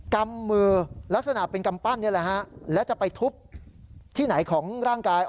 กำมือลักษณะเป็นกำปั้นนี่แหละฮะและจะไปทุบที่ไหนของร่างกาย